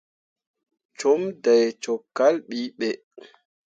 Cum dai cok kal bi be.